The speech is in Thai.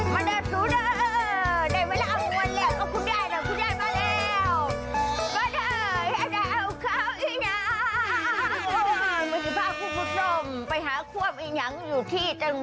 มันได้ผู้เดิมได้มาแล้วเอาคุณแดดเอาคุณแดดมาแล้ว